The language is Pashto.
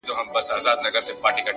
صادق چلند اوږدمهاله باور زېږوي